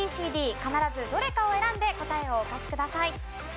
必ずどれかを選んで答えをお書きください。